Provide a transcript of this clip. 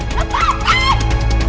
jangan pria substitute ini